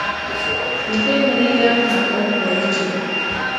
nke mere ya ka ọ pụọ iche.